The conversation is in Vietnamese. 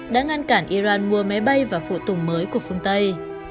đã ngăn cản iran mua máy bay và phụ tùng mới của phương tây